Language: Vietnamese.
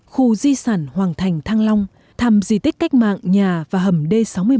khu di sản hoàng thành thăng long thăm di tích cách mạng nhà và hầm d sáu mươi bảy